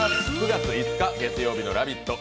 ９月５日月曜日の「ラヴィット！」